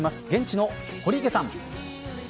現地の堀池さん。